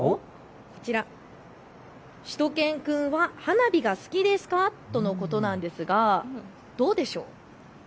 こちら、しゅと犬くんは花火が好きですかとのことですがどうでしょう。